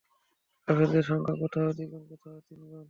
কাফেরদের সংখ্যা কোথাও দ্বিগুণ, কোথাও তিনগুণ।